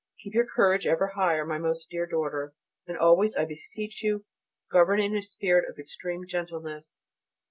Keep your courage ever higher, my most dear daughter, and always, I beseech you, govern in a spirit of extreme gentleness.